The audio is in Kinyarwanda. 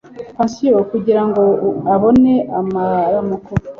pansiyo kugirango abone amaramuko